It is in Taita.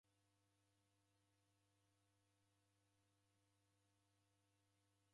Watima mkonu ghwape kwa w'ukulima.